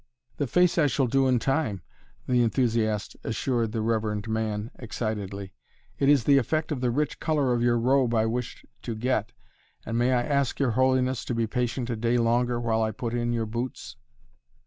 "The face I shall do in time," the enthusiast assured the reverend man excitedly; "it is the effect of the rich color of your robe I wished to get. And may I ask your holiness to be patient a day longer while I put in your boots?"